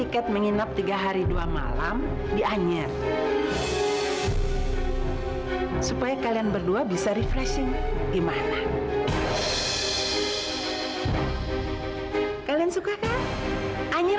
sampai jumpa di video selanjutnya